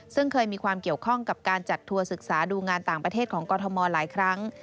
ซึ่งเคยมีความเกี่ยวข้องกับการจัดทัวร์ศึกษาดูงานต่างประเทศของกรทมหลายครั้ง